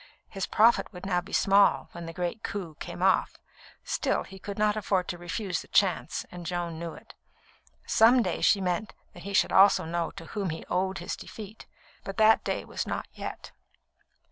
His profit would now be small, when the great coup came off; still, he could not afford to refuse the chance, and Joan knew it. Some day, she meant that he should also know to whom he owed his defeat; but that day was not yet.